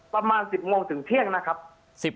ประมาณ๑๐โมงถึงเที่ยงนะครับ